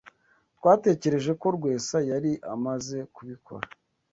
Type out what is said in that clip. Twatekereje ko Rwesa yari amaze kubikora.